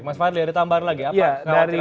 mas fadli ada tambahan lagi apa khawatirnya